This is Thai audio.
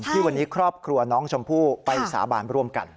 ที่วันนี้ครอบครัวน้องชมพู่ไปสาบานร่วมกัน